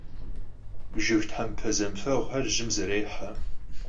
Jjıg thempe zemıfeğuxer jjıım zerêhe.